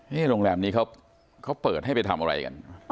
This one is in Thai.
เฮ้โรงแรมนี้เขาเขาเปิดให้ไปทำอะไรกันอ๋อ